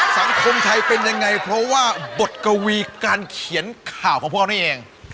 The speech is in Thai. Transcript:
สังคมไทยเป็นยังไงเพราะว่าบทกวีการเขียนข่าวของพวกเรานี่เอง